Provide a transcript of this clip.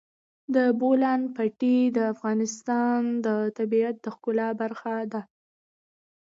د بولان پټي د افغانستان د طبیعت د ښکلا برخه ده.